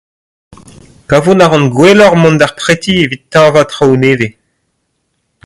Kavout a ran gwelloc'h mont d'ar preti evit tañva traoù nevez.